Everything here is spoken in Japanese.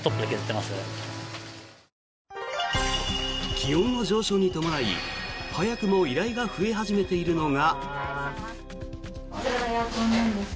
気温の上昇に伴い、早くも依頼が増え始めているのが。